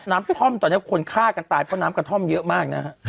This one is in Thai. ท่อมตอนนี้คนฆ่ากันตายเพราะน้ำกระท่อมเยอะมากนะฮะ